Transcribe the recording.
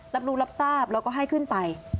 รับรู้รับทราบแล้วก็ให้ขึ้นไป